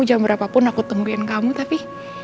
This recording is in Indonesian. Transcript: jam berapapun aku tungguin kamu tapi